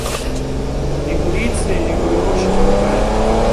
Лигурийцы регулировщика ругали.